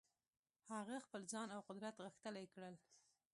هغه خپل ځان او قدرت غښتلي کړل.